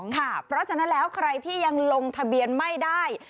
เพราะฉะนั้นแล้วใครที่ยังลงทะเบียนไม่ได้